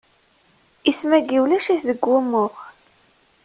Isem-ayi ulac-it deg umuɣ.